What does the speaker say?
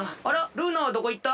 ルーナはどこいった？